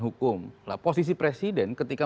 hukum posisi presiden ketika